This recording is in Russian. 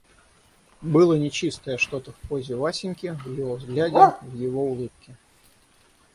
Было нечистое что-то в позе Васеньки, в его взгляде, в его улыбке.